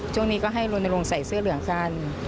ช่วงนี้ก็ให้ลนลงใส่เสื้อเหลืองกัน